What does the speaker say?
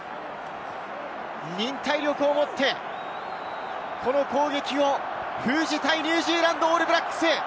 忍耐力を持ってこの攻撃を封じたいニュージーランド・オールブラックス。